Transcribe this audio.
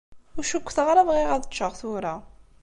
Ur cukkteɣ ara bɣiɣ ad ččeɣ tura.